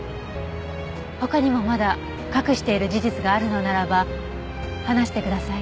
他にもまだ隠している事実があるのならば話してください。